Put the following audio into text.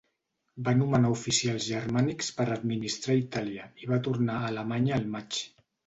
Va nomenar oficials germànics per administrar Itàlia i va tornar a Alemanya el maig.